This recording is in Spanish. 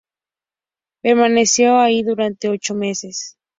Permaneció allí durante ocho meses.